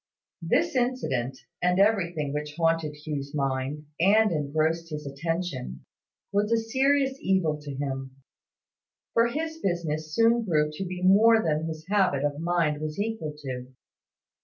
This incident, and everything which haunted Hugh's mind, and engrossed his attention, was a serious evil to him; for his business soon grew to be more than his habit of mind was equal to.